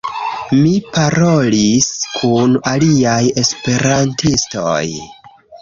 Mi parolis kun aliaj Esperantistoj